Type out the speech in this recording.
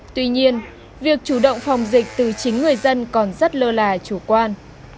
tuy nhiên việc chủ động phòng dịch từ chính người dân còn rất lơ là chủ quan